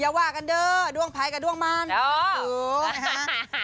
อย่าว่ากันเด้อด้วงไพรกับด้วงมันโอ้โหหือฮะ